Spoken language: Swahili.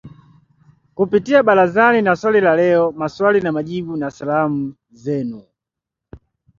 Kupitia ‘Barazani’ na ‘Swali la Leo’, 'Maswali na Majibu', na 'Salamu Zenu.'